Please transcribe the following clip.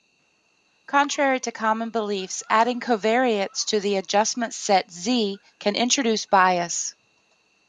Contrary to common beliefs, adding covariates to the adjustment set Z can introduce bias.